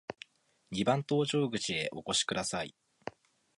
二番搭乗口へお越しください。